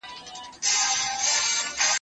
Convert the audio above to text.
تعلیم نه منعه کېږي.